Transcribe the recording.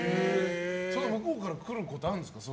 向こうから来ることあるんですか？